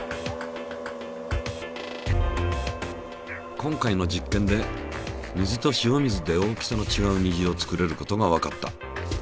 今回の実験で水と塩水で大きさのちがう虹を作れることがわかった。